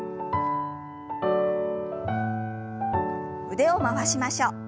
腕を回しましょう。